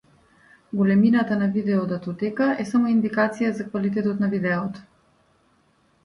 Големината на видео датотека е само индикација за квалитетот на видеото.